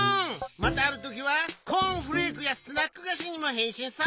またあるときはコーンフレークやスナックがしにもへんしんさ！